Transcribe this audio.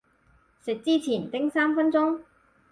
食之前叮三分鐘